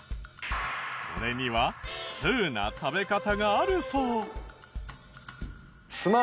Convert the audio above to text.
これには通な食べ方があるそう。